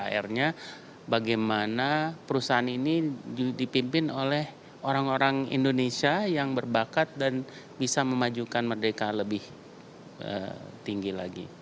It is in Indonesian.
akhirnya bagaimana perusahaan ini dipimpin oleh orang orang indonesia yang berbakat dan bisa memajukan merdeka lebih tinggi lagi